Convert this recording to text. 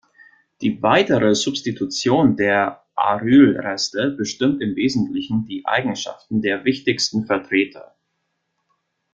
Die weitere Substitution der Aryl-Reste bestimmt im Wesentlichen die Eigenschaften der wichtigsten Vertreter.